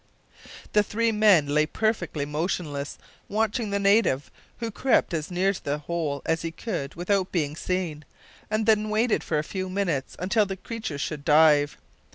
The three men lay perfectly motionless watching the native, who crept as near to the hole as he could without being seen, and then waited for a few minutes until the creatures should dive.